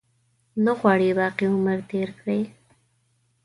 غواړي باقي عمر تېر کړي.